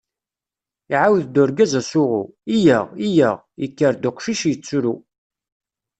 Iɛawed-d urgaz asuɣu: iyyaɣ, iyyaɣ, yekker-d uqcic, yettru.